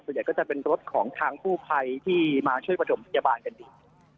ส่วนใหญ่ก็จะเป็นรถของทางกู้ภัยที่มาช่วยประถมพยาบาลกันดี